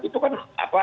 itu kan apa